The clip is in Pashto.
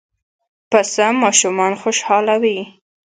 پسه ماشومان خوشحالوي.